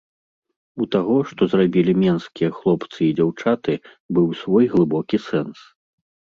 У таго, што зрабілі менскія хлопцы і дзяўчаты, быў свой глыбокі сэнс.